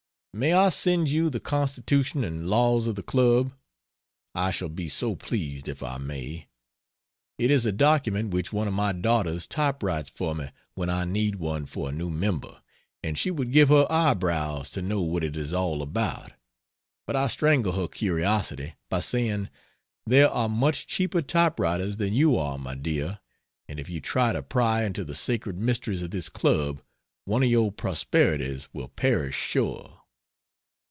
May I send you the Constitution and Laws of the Club? I shall be so pleased if I may. It is a document which one of my daughters typewrites for me when I need one for a new Member, and she would give her eyebrows to know what it is all about, but I strangle her curiosity by saying: "There are much cheaper typewriters than you are, my dear, and if you try to pry into the sacred mysteries of this Club one of your prosperities will perish sure."